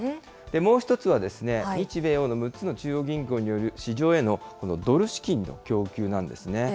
もう１つは日米欧の６つの中央銀行による市場へのドル資金の供給なんですね。